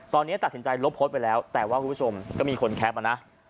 ตอนนี้ตัดสินใจลบโพสต์ไปแล้วแต่ว่าคุณผู้ชมก็มีคนแคปมานะ